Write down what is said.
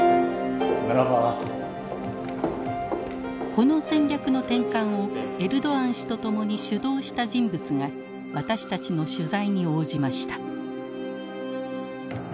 この戦略の転換をエルドアン氏と共に主導した人物が私たちの取材に応じました。